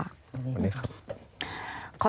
สวัสดีครับ